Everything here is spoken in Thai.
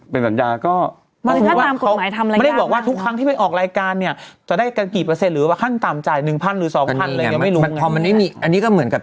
โปรยโปรยโปรยกันสักสุดดูสิ